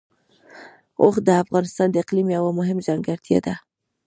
اوښ د افغانستان د اقلیم یوه مهمه ځانګړتیا ده.